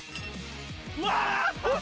・うわ！